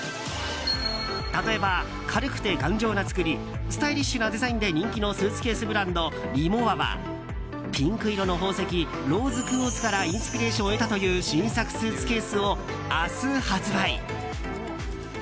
例えば軽くて頑丈な作りスタイリッシュなデザインで人気のスーツケースブランドリモワは、ピンク色の宝石ローズクオーツからインスピレーションを得たという新作スーツケースを明日、発売。